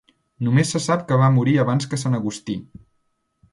Només se sap que va morir abans que Sant Agustí.